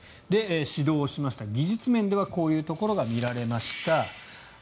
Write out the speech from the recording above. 指導しました、技術面ではこういうところが見られました。